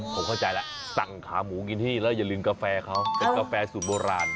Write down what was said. ผมเข้าใจแล้วสั่งขาหมูกินที่แล้วอย่าลืมกาแฟเขาเป็นกาแฟสูตรโบราณ